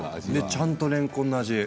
ちゃんと、れんこんの味。